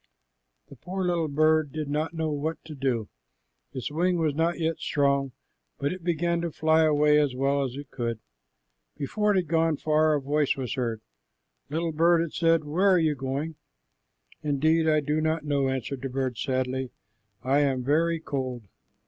The poor little bird did not know what to do. Its wing was not yet strong, but it began to fly away as well as it could. Before it had gone far, a voice was heard. "Little bird," it said, "where are you going?" "Indeed, I do not know," answered the bird sadly. "I am very cold."